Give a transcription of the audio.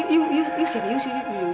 yu yu yu serius yu